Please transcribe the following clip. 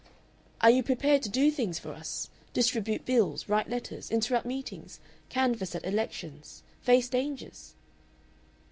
"Are you prepared to do things for us? Distribute bills? Write letters? Interrupt meetings? Canvass at elections? Face dangers?"